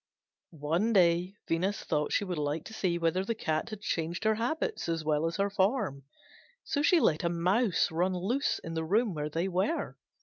One day Venus thought she would like to see whether the Cat had changed her habits as well as her form; so she let a mouse run loose in the room where they were.